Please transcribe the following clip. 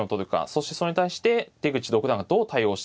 そしてそれに対して出口六段がどう対応していくか。